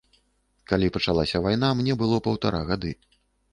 Калі пачалася вайна, мне было паўтара гады.